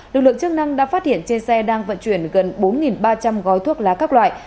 lực lượng chức năng đã phát hiện trên xe đang vận chuyển gần bốn ba trăm linh gói thuốc lá các loại